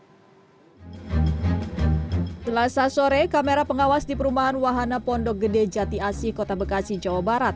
setelah sasore kamera pengawas di perumahan wahana pondok gede jati asi kota bekasi jawa barat